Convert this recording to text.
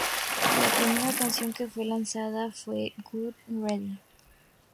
La primera canción que fue lanzada fue "Good 'N' Ready".